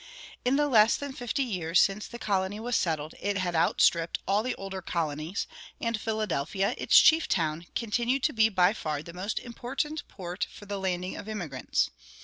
In the less than fifty years since the colony was settled it had outstripped all the older colonies, and Philadelphia, its chief town, continued to be by far the most important port for the landing of immigrants.